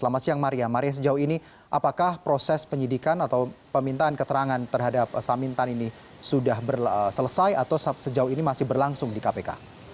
selamat siang maria maria sejauh ini apakah proses penyidikan atau pemintaan keterangan terhadap samintan ini sudah selesai atau sejauh ini masih berlangsung di kpk